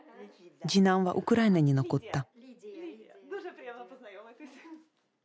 次男はウクライナに残った。